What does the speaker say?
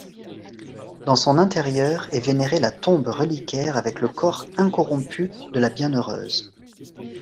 Dans son intérieur est venerée la tombe-reliquaire avec le corps incorrompu de la bienheureuse.